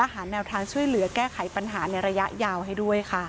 หาแนวทางช่วยเหลือแก้ไขปัญหาในระยะยาวให้ด้วยค่ะ